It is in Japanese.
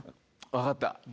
わかった。